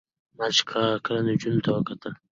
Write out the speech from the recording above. ما چې کله نجونو ته کتل